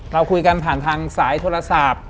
เราคุยกันผ่านทางสายโทรศัพท์